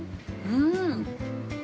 うん。